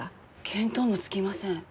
見当もつきません。